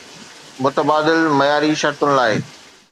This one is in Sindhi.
متبادل معياري شرطن لاء